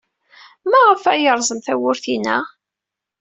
Maɣef ay yerẓem tawwurt-inna?